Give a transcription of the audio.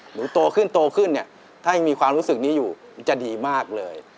หนูโตขึ้นโตขึ้นเนี่ยถ้ายังมีความรู้สึกนี้อยู่จะดีมากเลย